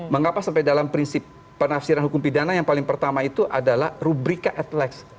mengapa sampai dalam prinsip penafsiran hukum pidana yang paling pertama itu adalah rubrika at lex